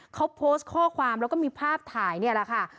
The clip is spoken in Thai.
เขาโพสต์ข้อความแล้วก็มีภาพถ่ายนี่แหละค่ะ